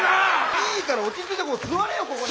いいから落ち着いて座れよここに！